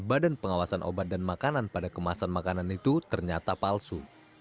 badan pengawasan obat dan makanan pada kemasan makanan itu ternyata palsu